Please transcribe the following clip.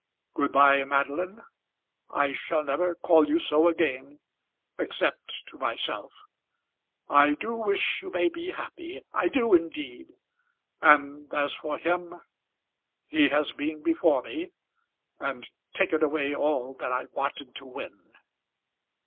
"Good bye, Madeline. I shall never call you so again, except to myself. I do wish you may be happy, I do indeed. As for him, he has been before me, and taken away all that I wanted to win."